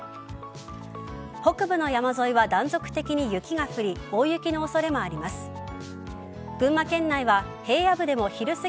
北部の山沿いは断続的に雪が降り大雪の恐れもあります。